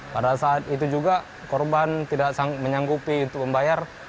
pada saat itu juga korban tidak menyanggupi untuk membayar